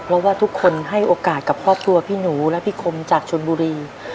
เพราะว่าทุกคนให้โอกาสกับครอบครัวพี่หนูและพี่คมจากชนบุรี